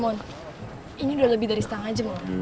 ini udah lebih dari setengah jam